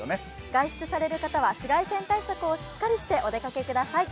外出される方は紫外線対策をしっかりしてお出かけください。